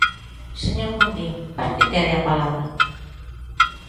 Señor Mundín, ¿para que quere a palabra?